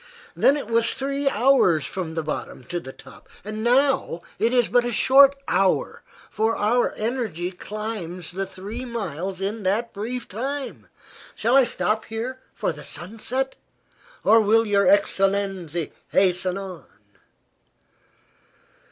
Then it was three hours from the bottom to the top. Now it is but a short hour, for our energy climbs the three miles in that brief time. Shall I stop here for the sunset, or will your excellenzi hasten on?"